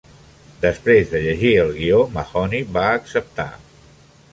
Després de llegir el guió, Mahoney va acceptar.